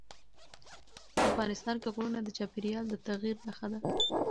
افغانستان کې غرونه د چاپېریال د تغیر نښه ده.